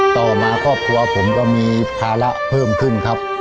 ต่อมาครอบครัวผมก็มีภาระเพิ่มขึ้นครับ